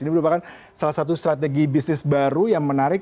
ini merupakan salah satu strategi bisnis baru yang menarik